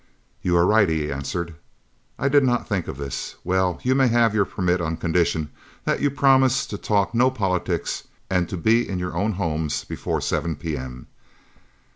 "You are right," he answered; "I did not think of this. Well, you may have your permit on condition that you promise to talk no politics and to be in your own homes before 7 p.m."